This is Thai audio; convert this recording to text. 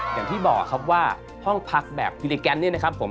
อย่างที่บอกครับว่าห้องพักแบบพิลิแกนเนี่ยนะครับผม